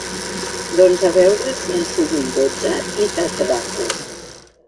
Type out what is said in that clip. Doncs a veure si em surt un dotze i t'atrapo.